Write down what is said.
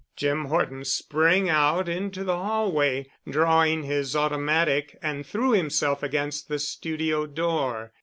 Jim Horton sprang out into the hallway, drawing his automatic, and threw himself against the studio door.